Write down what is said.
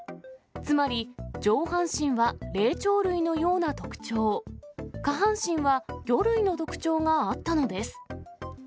つまり、上半身は霊長類のような特徴、下半身は魚類の特徴があったのです。